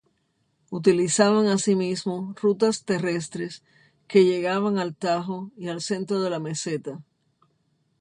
Utilizaban asimismo rutas terrestres que llegaban al Tajo y al centro de la meseta.